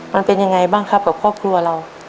มันเป็นยังไงบ้างครับกับครอบครัวเรา